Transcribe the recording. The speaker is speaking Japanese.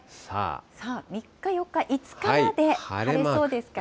３日、４日、５日まで晴れそうですかね。